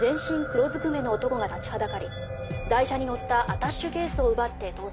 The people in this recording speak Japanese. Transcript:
黒ずくめの男が立ちはだかり台車にのったアタッシェケースを奪って逃走しました」